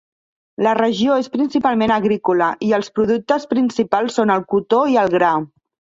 La regió és principalment agrícola i els productes principals són el cotó i el gra.